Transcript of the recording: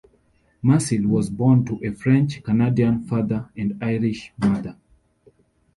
Marcil was born to a French-Canadian father and Irish mother.